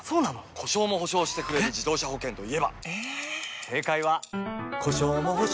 故障も補償してくれる自動車保険といえば？